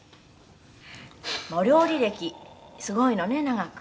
「お料理歴すごいのね長く」